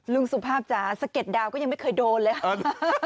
สุภาพจ๋าสะเก็ดดาวก็ยังไม่เคยโดนเลย